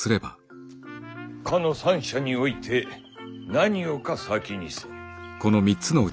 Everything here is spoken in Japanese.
「斯の三者に於いて何をか先にせん」。